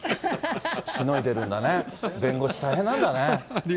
しのいでるんだね、弁護士、大変なんだね。